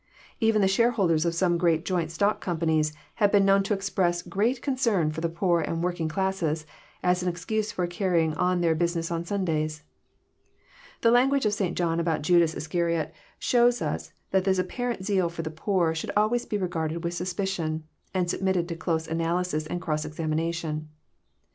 — Even the shareholders of some great Joint stock companies have been known to express great concern for the poor and working classes, as an excuse for carrying on their business on Sundays.— The language of St. John about Judas Iscariot shows us that this apparent zeal for the poor should always be regarded with suspicion, and submitted to close analysis and cross examination.